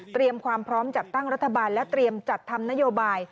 ความพร้อมจัดตั้งรัฐบาลและเตรียมจัดทำนโยบาย